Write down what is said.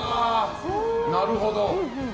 なるほど。